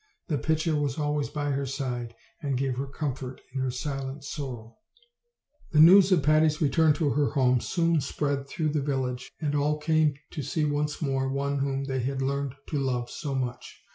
The pitcher was always by her side, and gave her comfort in her silent sorrow. The news of Patty's return to her home soon spread through the village, and all came to see once more one whom they had learned to love so much.